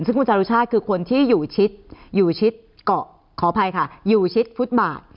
ซึ่งคุณจารุชาติคือคนที่อยู่ชิดอยู่ชิดเกาะขออภัยค่ะอยู่ชิดฟุตบาท